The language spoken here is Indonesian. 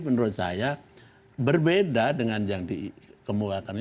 jadi menurut saya berbeda dengan yang dikembangkan ini